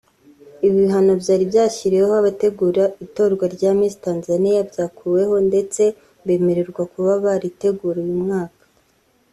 Ibi bihano byari byashyiriweho abategura itorwa rya Miss Tanzania byakuweho ndetse bemererwa kuba baritegura uyu mwaka